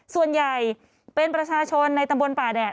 ส่วนใหญ่เป็นประชาชนในตำบลป่าแดด